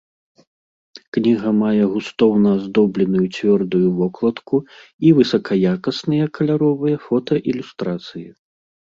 Кніга мае густоўна аздобленую цвёрдую вокладку і высакаякасныя каляровыя фотаілюстрацыі.